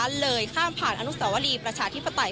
เลยข้ามผ่านอนุสวรีประชาธิปไตย